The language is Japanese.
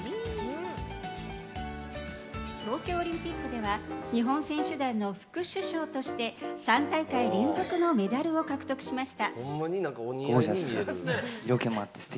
東京オリンピックでは日本選手団の副主将として３大会連続のメダルを獲得しました。